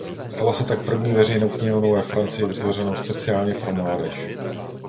Stala se tak první veřejnou knihovnou ve Francii vytvořenou speciálně pro mládež.